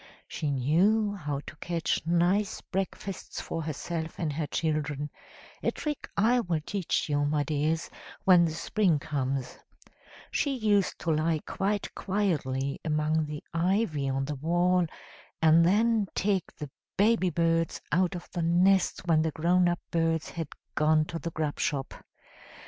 She knew how to catch nice breakfasts for herself and her children, a trick I will teach you, my dears, when the spring comes; she used to lie quite quietly among the ivy on the wall, and then take the baby birds out of the nest when the grown up birds had gone to the grub shop.